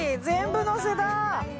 全部のせだ！